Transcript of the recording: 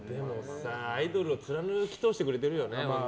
アイドルを貫き通してくれてるよね。